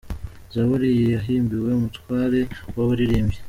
Zaburi iyi yahimbiwe umutware w’abaririmbyi.